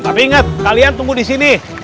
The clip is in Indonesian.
tapi ingat kalian tunggu di sini